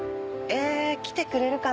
え来てくれるかな？